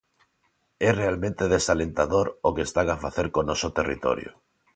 É realmente desalentador o que están a facer co noso territorio.